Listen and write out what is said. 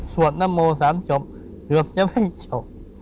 สวดนับโม๓จบเกือบจะไม่จบ